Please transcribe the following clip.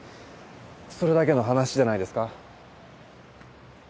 それだけの話じゃないですか。